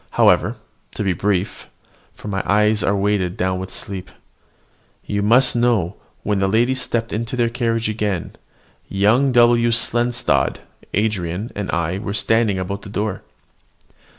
However, to be brief (for my own eyes are weighed down with sleep), you must know, when the ladies stepped into their carriage again, young W. Seldstadt, Andran, and I were standing about the door.